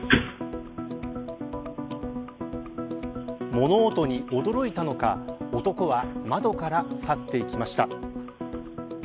物音に驚いたのか男は窓から去っていきました。